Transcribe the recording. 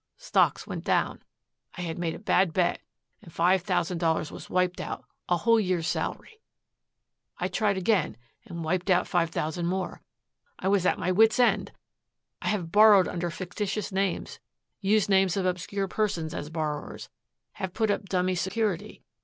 Stocks went down. I had made a bad bet and five thousand dollars was wiped out, a whole year's salary. I tried again, and wiped out five thousand more. I was at my wits' end. I have borrowed under fictitious names, used names of obscure persons as borrowers, have put up dummy security.